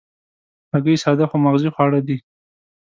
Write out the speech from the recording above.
هګۍ ساده خو مغذي خواړه دي.